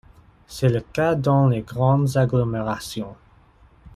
C'est le cas dans les grandes agglomérations.